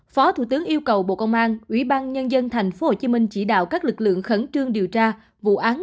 phó thủ tướng yêu cầu bộ công an ủy ban nhân dân thành phố hồ chí minh chỉ đạo các lực lượng khẩn trương điều tra vụ án